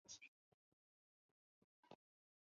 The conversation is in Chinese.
我才是姊姊啦！